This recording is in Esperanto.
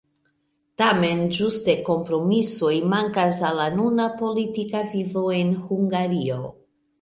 Tamen ĝuste kompromisoj mankas al la nuna politika vivo en Hungario.